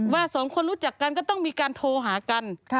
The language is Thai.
สองคนรู้จักกันก็ต้องมีการโทรหากัน